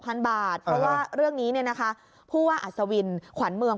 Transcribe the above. เพราะว่าเรื่องนี้นะคะผู้ว่าอัศวินขวัญเมือง